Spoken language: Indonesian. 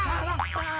aku juga nggak tau